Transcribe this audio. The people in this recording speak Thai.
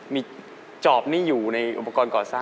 มีจอบนี่อยู่ในอุปกรณ์ก่อสร้าง